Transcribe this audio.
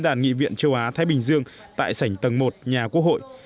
đàn nghị viện châu á thái bình dương tại sảnh tầng một nhà quốc hội